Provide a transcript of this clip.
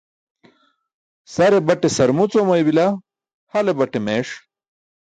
Sare baṭe sarmuc oomaybila, hale bate meeṣ.